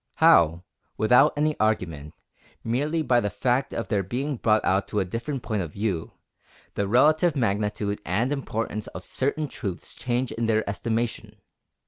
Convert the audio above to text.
How, without any argument, merely by the fact of their being brought out to a different point of view, the relative magnitude and importance of certain truths change in their estimation!